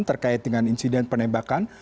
terkait dengan insiden penembakan